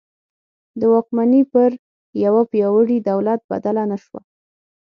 د واکمني پر یوه پیاوړي دولت بدله نه شوه.